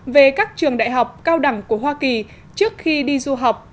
về các trường đại học cao đẳng của hoa kỳ trước khi đi du học